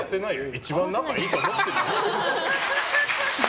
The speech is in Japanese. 一番仲良いと思ってるよ。